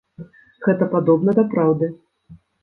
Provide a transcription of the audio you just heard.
Гэта падобна да праўды.